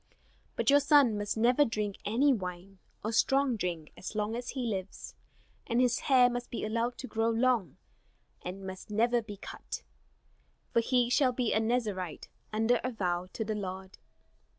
But your son must never drink any wine or strong drink as long as he lives. And his hair must be allowed to grow long and must never be cut, for he shall be a Nazarite under a vow to the Lord."